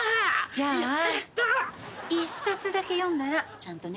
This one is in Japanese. じゃあ一冊だけ読んだらちゃんと寝るのよ。